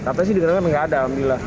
tapi sih dikenal nggak ada alhamdulillah